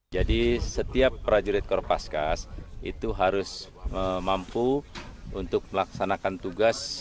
jadi setiap prajurit korpaskas itu harus mampu untuk melaksanakan tugas